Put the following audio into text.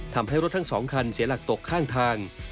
ทำให้รถทั้ง๒คันเสียหลักตกข้างทาง